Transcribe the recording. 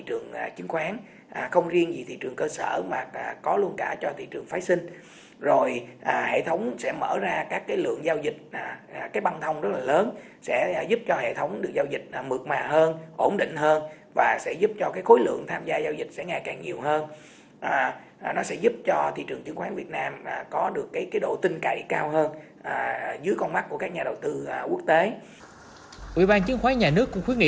ủy ban chiến khoái nhà nước cũng khuyến nghị